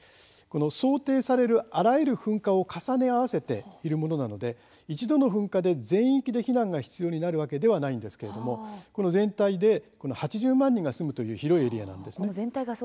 想定されるあらゆる噴火を重ね合わせているものなので一度の噴火で全域で避難が必要になるわけではないんですがこの全体で８０万人が住むという広いエリアなんです。